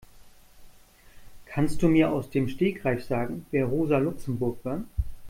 Kannst du mir aus dem Stegreif sagen, wer Rosa Luxemburg war?